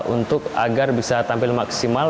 untuk agar bisa tampil maksimal